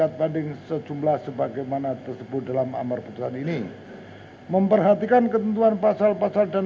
dalam eksepsi mengabulkan eksepsi tergugat menyatakan